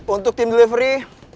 untuk tim delivery